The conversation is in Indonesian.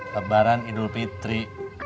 lebaran idul fitri